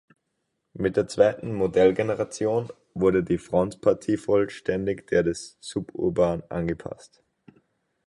Mit der zweiten Modellgeneration wurde die Frontpartie vollständig der des Suburban angepasst.